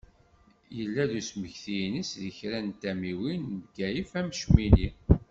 Yella-d usmekti-ines deg kra n tamiwin n Bgayet am Cmini.